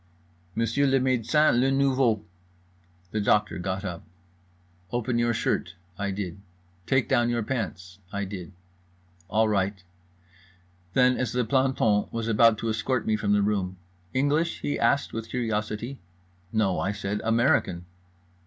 "Monsieur le médecin, le nouveau." The doctor got up. "Open your shirt." I did. "Take down your pants." I did. "All right." Then, as the planton was about to escort me from the room: "English?" he asked with curiosity. "No" I said, "American."